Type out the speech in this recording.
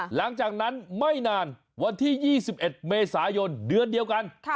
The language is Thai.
หลังจากนั้นไม่นานวันที่๒๑เมษายนเดือนเดียวกัน